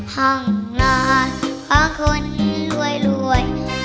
ห้องนอนของคนรวยรวย